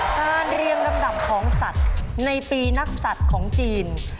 เรียงลำดับของสัตว์ในปีนักศัตริย์ของจีน